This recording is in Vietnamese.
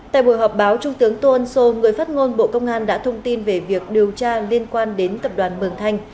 tại buổi họp báo trung tướng tô ân sô người phát ngôn bộ công an đã thông tin về việc điều tra liên quan đến tập đoàn mường thanh